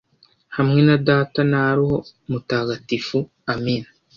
hamwe na data na roho mutagatifu amina